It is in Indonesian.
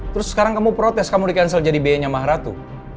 terus sekarang kamu protes kamu di cancel jadi biayanya mah ratu